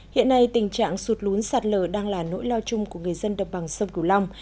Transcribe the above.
hiện nay tình trạng sụt lún sạt lở đang là nỗi lo chung của người dân đồng bằng sông cửu long